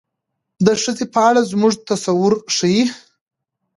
د ښځې په اړه زموږ تصور ښيي.